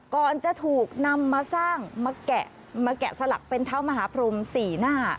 ก่อนจะถูกนำมาสร้างมาแกะมาแกะสลักเป็นเท้ามหาพรม๔หน้า